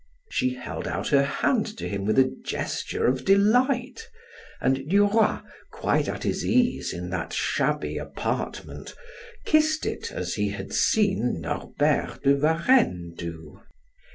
She held out her hand to him with a gesture of delight; and Duroy, quite at his ease in that shabby apartment, kissed it as he had seen Norbert de Varenne do.